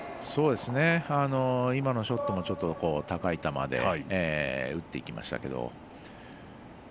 今のショットもちょっと高い球で打っていきましたけど。